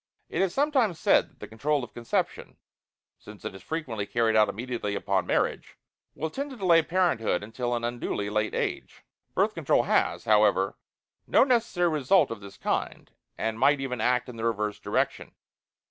It is sometimes said that the control of conception, since it is frequently carried out immediately upon marriage, will tend to delay parenthood until an unduly late age. Birth Control has, however, no necessary result of this kind, and might even act in the reverse direction.